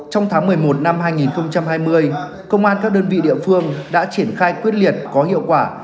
trong tháng một mươi một năm hai nghìn hai mươi công an các đơn vị địa phương đã triển khai quyết liệt có hiệu quả